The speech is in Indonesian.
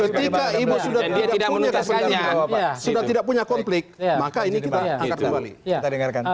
dan ketika ibu sudah tidak punya kesempatan sudah tidak punya konflik maka ini kita angkat kembali